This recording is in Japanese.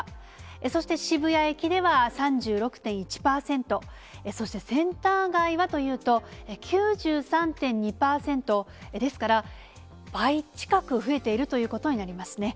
そして渋谷駅では３６．１％、そしてセンター街はというと、９３．２％、ですから、倍近く増えているということになりますね。